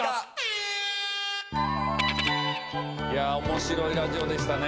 いや面白いラジオでしたね。